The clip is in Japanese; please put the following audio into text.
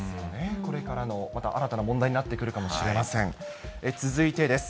これからのまた新たな問題になってくるかもしれません。